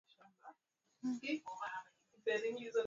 virusi hivi vinasambaa na kuambukiza watu wengi